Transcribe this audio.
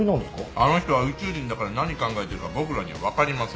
あの人は宇宙人だから何考えてるか僕らには分かりません。